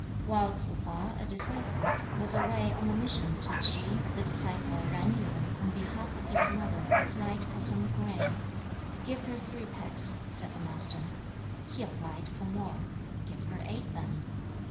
While Tsz hwa, a disciple, was away on a mission to Ts'i, the disciple Yen Yu, on behalf of his mother, applied for some grain. "Give her three pecks," said the Master. He applied for more. "Give her eight, then."